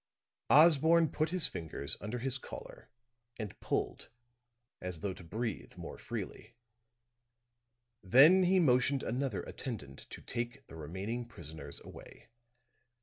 Osborne put his fingers under his collar and pulled as though to breathe more freely; then he motioned another attendant to take the remaining prisoners away.